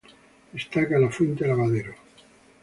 Destaca la fuente lavadero